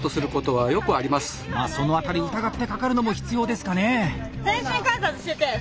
まあそのあたり疑ってかかるのも必要ですかね？